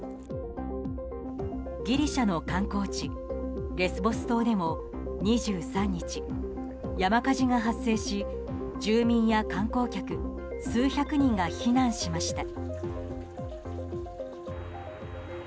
ギリシャの観光地レスボス島でも２３日、山火事が発生し住民や観光客数百人が避難しました。